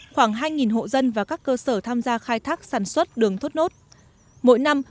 khoảng hai hộ dân và các cơ sở tham gia khai thác sản xuất đường thốt nốt mỗi năm